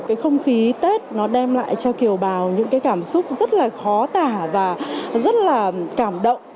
cái không khí tết nó đem lại cho kiều bào những cái cảm xúc rất là khó tả và rất là cảm động